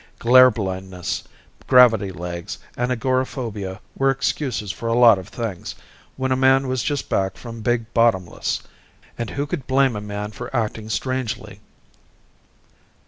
Glare blindness, gravity legs, and agoraphobia were excuses for a lot of things, when a man was just back from Big Bottomless. And who could blame a man for acting strangely?